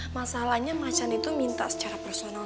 masalahnya macan itu minta secara personal